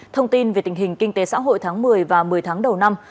thông tin về tình hình kinh tế xã hội tháng một mươi và một mươi tháng đầu năm